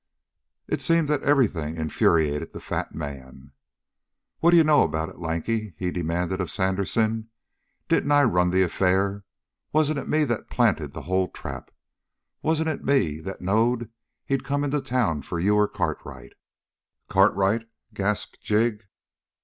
It seemed that everything infuriated the fat man. "What d'you know about it, Lanky?" he demanded of Sandersen. "Didn't I run the affair? Wasn't it me that planted the whole trap? Wasn't it me that knowed he'd come into town for you or Cartwright?" "Cartwright!" gasped Jig.